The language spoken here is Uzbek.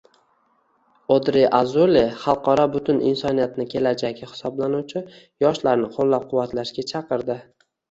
Odre Azule Xalqaro butun insoniyatning kelajagi hisoblanuvchi yoshlarni qoʻllabquvvatlashga chaqirdi.